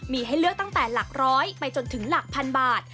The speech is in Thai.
มีให้เลือกตั้งแต่หลักร้อยไปจนถึงหลักพันบาท